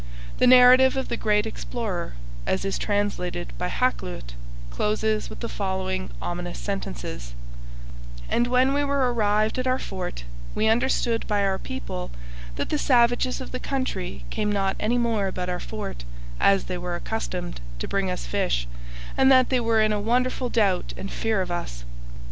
The narrative of the great explorer, as it is translated by Hakluyt, closes with the following ominous sentences: 'And when we were arrived at our fort, we understood by our people that the savages of the country came not any more about our fort, as they were accustomed, to bring us fish, and that they were in a wonderful doubt and fear of us.